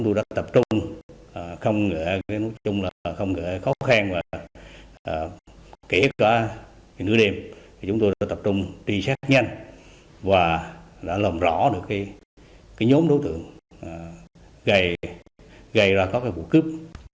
trong nửa đêm chúng tôi đã tập trung truy xét nhanh và đã làm rõ được nhóm đối tượng gây ra các vụ cướp